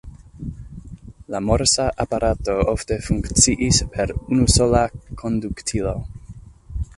La Morsa-aparato ofte funkciis per unusola konduktilo.